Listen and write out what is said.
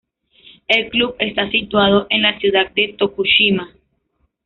El club está situado en la ciudad de Tokushima.